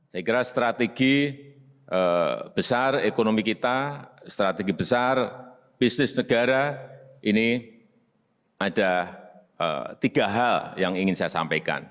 saya kira strategi besar ekonomi kita strategi besar bisnis negara ini ada tiga hal yang ingin saya sampaikan